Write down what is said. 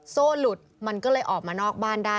โซ่หลุดมันก็เลยออกมานอกบ้านได้